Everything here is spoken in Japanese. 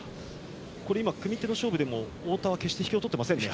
組み手の勝負でも太田は引けを取ってませんね。